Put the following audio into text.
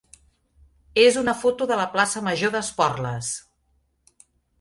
és una foto de la plaça major d'Esporles.